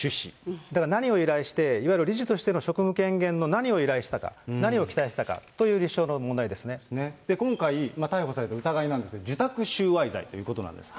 だから何を依頼して、いわゆる理事としての職務権限の何を依頼したか、何を期待したか今回、逮捕された疑いなんですけれども、受託収賄罪ということなんです。